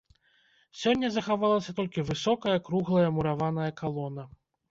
Сёння захавалася толькі высокая круглая мураваная калона.